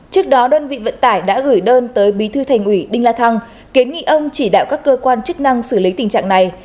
trước đó đơn vị vận tải đã gửi đơn tới bí thư thành ủy đinh la thăng kiến nghị ông chỉ đạo các cơ quan chức năng xử lý tình trạng này